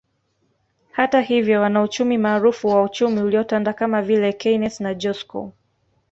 Hata hivyo wanauchumi maarufu wa uchumi uliotanda kama vile Keynes na Joskow